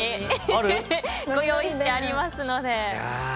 ご用意してありますので。